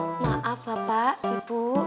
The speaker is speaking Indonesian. maaf bapak ibu